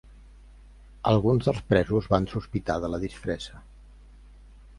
Alguns dels presos van sospitar de la disfressa.